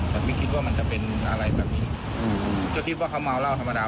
แต่ไม่คิดว่ามันจะเป็นอะไรแบบนี้ก็คิดว่าเขาเมาเหล้าธรรมดา